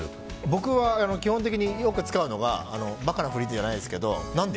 僕は基本的によく使うのがバカな振りじゃないですけど何で？